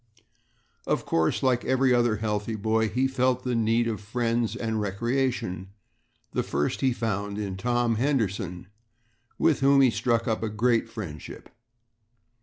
Of course, like every other healthy boy, he felt the need of friends and recreation. The first he found in Tom Henderson, with whom he struck up a great friendship.